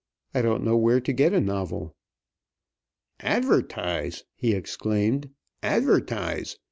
I don't know where to get a novel." "Advertise!" he exclaimed. "Advertise!